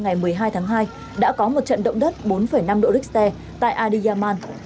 ngày một mươi hai tháng hai đã có một trận động đất bốn năm độ richter tại adiyaman